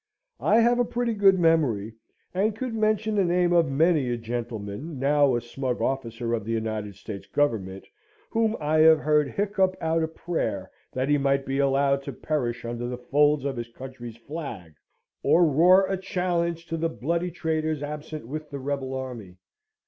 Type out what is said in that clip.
I have a pretty good memory, and could mention the name of many a gentleman, now a smug officer of the United States Government, whom I have heard hiccup out a prayer that he might be allowed to perish under the folds of his country's flag; or roar a challenge to the bloody traitors absent with the rebel army.